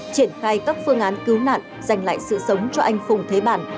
triển khai các phương án cứu nạn dành lại sự sống cho anh phùng thế bản